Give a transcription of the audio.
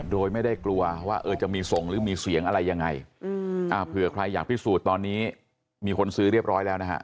โดยไม่ได้กลัวว่าเออจะมีส่งหรือมีเสียงอะไรยังไงเผื่อใครอยากพิสูจน์ตอนนี้มีคนซื้อเรียบร้อยแล้วนะฮะ